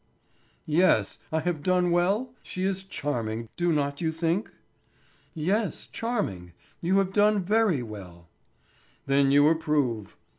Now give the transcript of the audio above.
"Yes. Have I done well? She is charming, do not you think?" "Yes, charming. You have done very well." "Then you approve?"